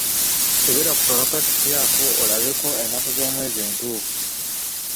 Kebera ku kapakiti ako olabeko ennaku z'omwezi entuufu.